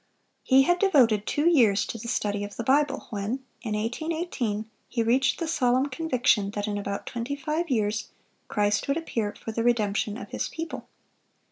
He had devoted two years to the study of the Bible, when, in 1818, he reached the solemn conviction that in about twenty five years Christ would appear for the redemption of His people.